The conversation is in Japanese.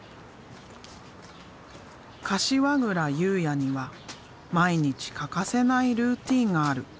柏倉佑哉には毎日欠かせないルーティーンがある。